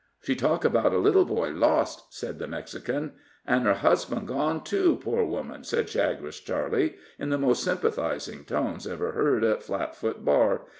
"She talk about little boy lost," said the Mexican. "An' her husband gone, too, poor woman!" said Chagres Charley, in the most sympathizing tones ever heard at Flatfoot Bar.